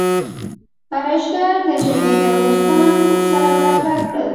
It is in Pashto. ارایشګرې د جميله وریښتان سره برابر کړل.